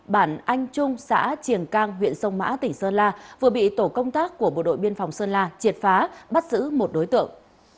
bản anh trung xã triềng cang huyện sông mã tỉnh sơn la vừa bị tổ công tác của bộ đội biên phòng sơn la triệt phá bắt giữ một đối tượng